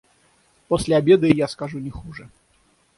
После обеда и я скажу не хуже.